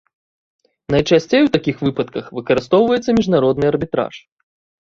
Найчасцей у такіх выпадках выкарыстоўваецца міжнародны арбітраж.